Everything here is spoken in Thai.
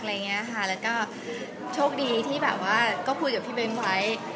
แล้วก็โชคดีที่ก็คุยกับพี่เบนไว้